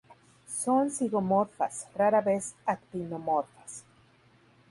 Son zigomorfas, rara vez actinomorfas.